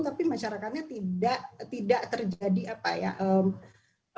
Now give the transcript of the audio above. tapi masyarakatnya tidak terjadi apa ya